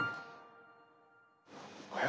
おや？